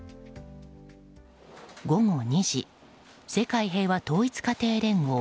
午後２時世界平和統一家庭連合